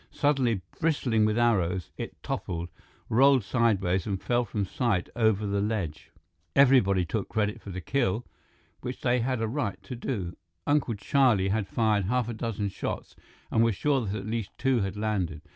Suddenly bristling with arrows, it toppled, rolled sideways, and fell from sight over the ledge. Everybody took credit for the kill, which they had a right to do. Uncle Charlie had fired half a dozen shots and was sure that at least two had landed.